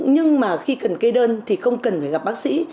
nhưng mà khi cần kê đơn thì không cần phải gặp bác sĩ